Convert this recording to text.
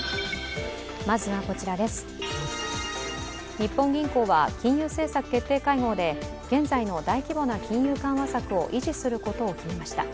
日本銀行は金融政策決定会合で現在の大規模な金融緩和策を維持することを決めました。